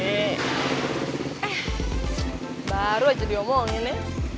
eh baru aja diomongin ya